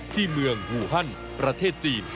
ที่เมืองฮูฮันประเทศจีน